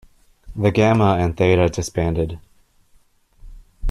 The Gamma and Theta disbanded.